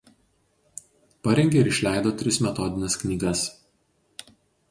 Parengė ir išleido tris metodines knygas.